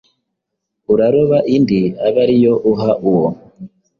uraroba indi abe ari yo uha uwo